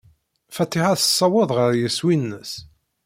Fatiḥa tessaweḍ ɣer yeswi-nnes.